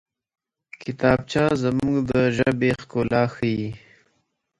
کتابچه زموږ د ژبې ښکلا ښيي